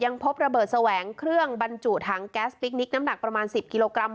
ยังพบระเบิดแสวงเครื่องบรรจุทั้งแก๊สน้ำหนักประมาณสิบกิโลกรัม